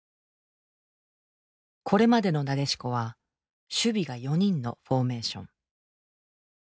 これまでのなでしこは守備が４人のフォーメーション。